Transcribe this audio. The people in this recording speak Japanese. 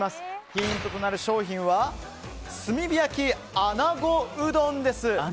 ヒントとなる商品は炭火焼穴子うどんです。